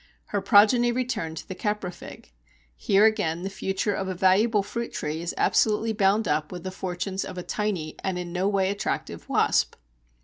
Her progeny return to the caprifig. Here again the future of a valuable fruit tree is absolutely bound up with the fortunes of a tiny and in no way attractive wasp!